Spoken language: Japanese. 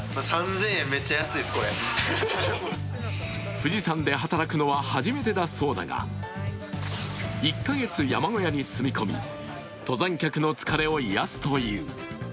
富士山で働くのは初めてだそうだが１か月山小屋に住み込み登山客の疲れを癒やすという。